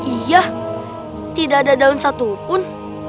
iya tidak ada daun satupun